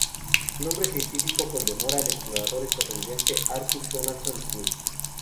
Su nombre científico conmemora al explorador estadounidense Arthur Donaldson Smith.